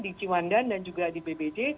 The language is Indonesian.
di ciwandan dan juga di bbd